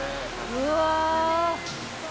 うわ。